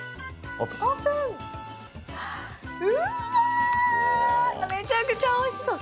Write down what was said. オープン、うわ、めちゃくちゃおいしそう。